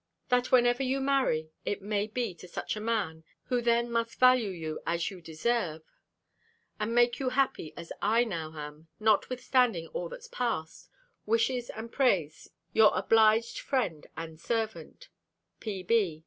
That whenever you marry, it may be to such a man, who then must value you as you deserve, and make you happy as I now am, notwithstanding all that's past, wishes and prays your obliged friend and servant, P.B.